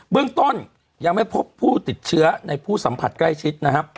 เรื่องต้นยังไม่พบผู้ติดเชื้อในผู้สัมผัสใกล้ชิดนะครับ